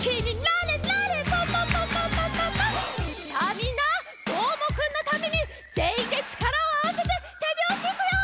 みんなどーもくんのためにぜんいんでちからをあわせててびょうしいくよ！